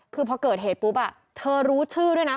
คือพอเกิดเหตุปุ๊บเธอรู้ชื่อด้วยนะ